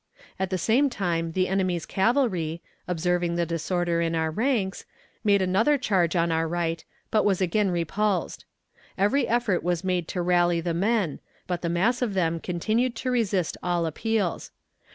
At the same time the enemy's cavalry, observing the disorder in our ranks, made another charge on our right, but was again repulsed. Every effort was made to rally the men, but the mass of them continued to resist all appeals.